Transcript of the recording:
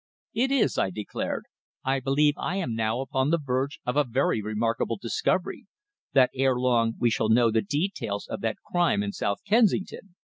"It is," I declared. "I believe I am now upon the verge of a very remarkable discovery that ere long we shall know the details of that crime in South Kensington."